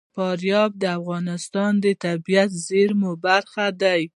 فاریاب د افغانستان د طبیعي زیرمو برخه ده.